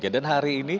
dan hari ini